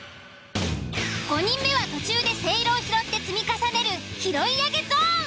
５人目は途中でせいろを拾って積み重ねる拾い上げゾーン。